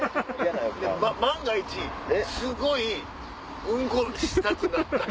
万が一すごいうんこしたくなったり。